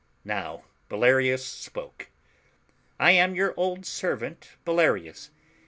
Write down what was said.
Now Bellarius spoke — "I am your old servant, Bellarius.